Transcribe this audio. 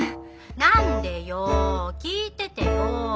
何でよ聞いててよ。